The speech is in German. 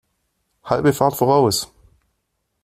Halbe Fahrt voraus!